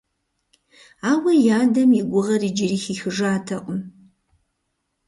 Ауэ и адэм и гугъэр иджыри хихыжатэкъым.